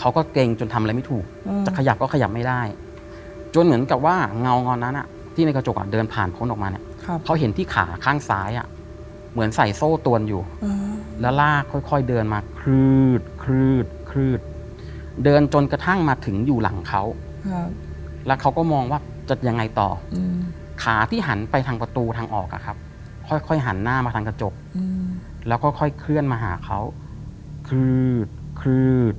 คลืดคลืดคลืดเดินจนกระทั่งมาถึงอยู่หลังเขาแล้วเขาก็มองว่าจะยังไงต่อขาที่หันไปทางประตูทางออกอ่ะครับค่อยหันหน้ามาทางกระจกแล้วก็ค่อยเคลื่อนมาหาเขาคลืดคลืด